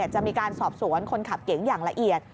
จะมีการสอบสวนคนขับเก๋งอย่างละเอียด